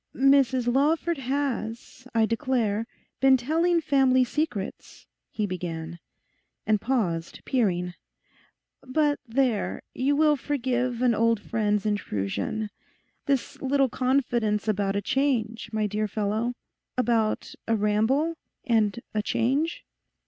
'Mrs Lawford has, I declare, been telling family secrets,' he began, and paused, peering. 'But there, you will forgive an old friend's intrusion—this little confidence about a change, my dear fellow—about a ramble and a change?